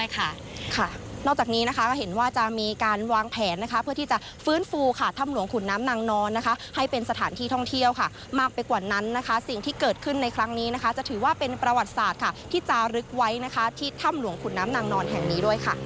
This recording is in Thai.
ทางนี้จะถือว่าเป็นประวัติศาสตร์ที่จะลึกไว้ที่ท่ำหลวงขุนน้ำนางนอนแห่งนี้ด้วยค่ะ